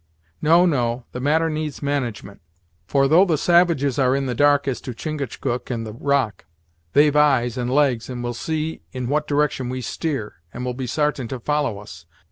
"No, no; the matter needs management; for, though the savages are in the dark as to Chingachgook and the rock, they've eyes and legs, and will see in what direction we steer, and will be sartain to follow us.